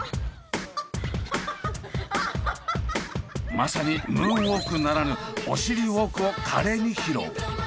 まさにムーンウォークならぬおしりウォークを華麗に披露！